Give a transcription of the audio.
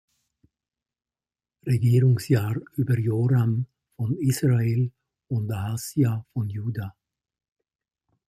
Regierungsjahr über Joram von Israel und Ahasja von Juda.